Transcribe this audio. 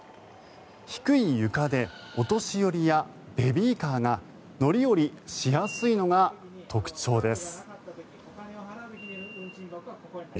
低い床でお年寄りやベビーカーが乗り降りしやすいのが特徴です。